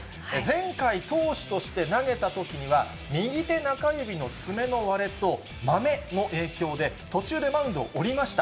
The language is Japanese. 前回、投手として投げたときには、右手中指の爪の割れと、まめの影響で、途中でマウンドを降りました。